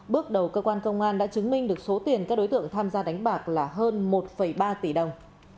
bước đầu cơ quan công an đã chứng minh được số tiền các đối tượng tham gia đánh bạc là hơn một ba tỷ đồng